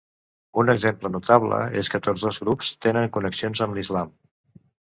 Un exemple notable és que tots dos grups tenen connexions amb l'Islam.